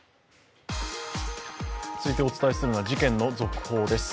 続いてお伝えするのは事件の続報です。